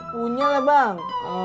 punya lah bang